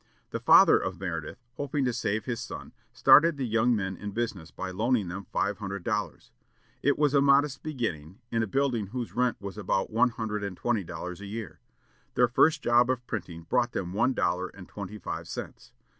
The father of Meredith, hoping to save his son, started the young men in business by loaning them five hundred dollars. It was a modest beginning, in a building whose rent was but one hundred and twenty dollars a year. Their first job of printing brought them one dollar and twenty five cents.